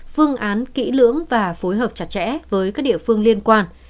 phương án kỹ lưỡng và phối hợp chặt chẽ với các địa phương liên quan